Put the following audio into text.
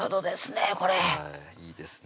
これいいですね